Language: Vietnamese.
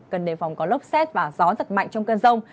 cần đề phòng có lốc xét và gió giật mạnh trong cơn rông